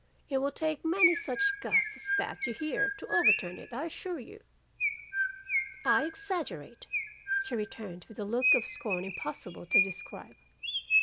It will take many such a gust as that you hear, to overturn it, I assure you.' "'I exaggerate!' she returned with a look of scorn impossible to describe.